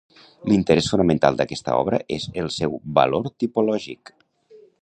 L'interès fonamental d'aquesta obra és el seu valor tipològic.